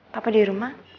papa di rumah